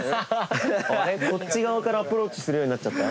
こっち側からアプローチするようになっちゃった。